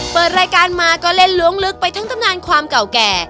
เปิดรายการมาก็เล่นล้วงลึกไปทั้งตำนานความเก่าแก่